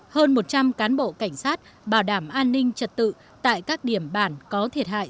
hơn một trăm linh cán bộ cảnh sát bảo đảm an ninh trật tự tại các điểm bản có thiệt hại